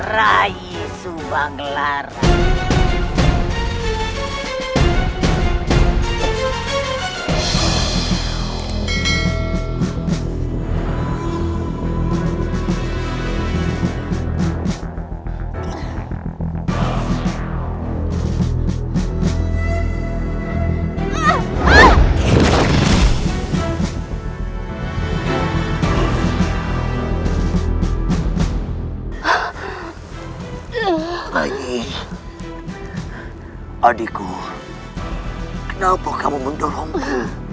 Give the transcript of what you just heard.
rai adikku kenapa kamu mendorongku